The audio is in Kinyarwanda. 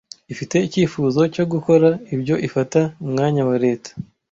ifite icyifuzo cyo gukora ibyo Ifata umwanya wa leta